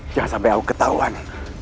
jangan sampai aku ketahuan